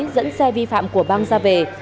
dẫn xe vi phạm của băng ra về